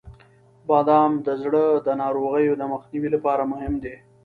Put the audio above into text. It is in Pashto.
• بادام د زړه د ناروغیو د مخنیوي لپاره مهم دی.